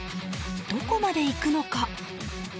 どこまで行くのか。